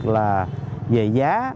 là về giá